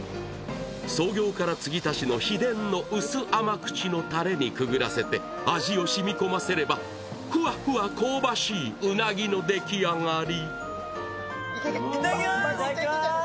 創業からつぎ足しの秘伝の薄甘口のたれにくぐらせて味を染み込ませればふわふわ香ばしいうなぎの出来上がり。